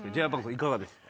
いかがですか？